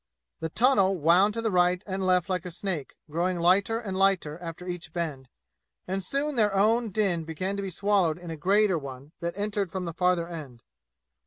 The tunnel wound to right and left like a snake, growing lighter and lighter after each bend; and soon their own din began to be swallowed in a greater one that entered from the farther end.